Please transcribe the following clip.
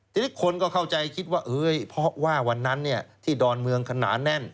ทีนี้คนก็เข้าใจคิดว่าเพราะว่าวันนั้นที่ดอนเมืองขนาแน่น